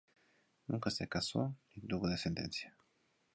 Nunca se casó ni tuvo descendencia.